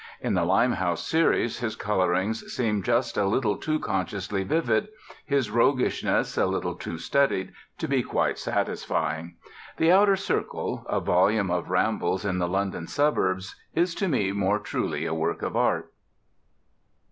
In the Limehouse series his colorings seem just a little too consciously vivid, his roguishness a little too studied, to be quite satisfying. The Outer Circle, a volume of rambles in the London suburbs, is to me more truly a work of art.